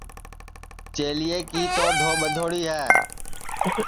چیلیے کی تو ڈھو ٻدھوڑی ہے